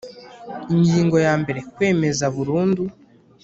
Ingingo ya mbere kwemeza burundu